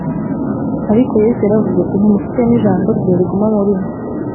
. Ariko Yesu yaravuze ati, “ntimufite n’ijambo rye riguma muri mwe.